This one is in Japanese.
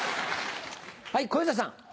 はい小遊三さん。